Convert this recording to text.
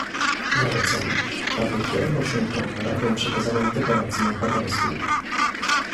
Zalecam, aby kierował się pan radą przekazaną w deklaracji manhattańskiej